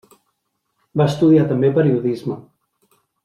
Va estudiar també periodisme.